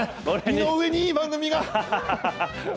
井上に、いい番組が！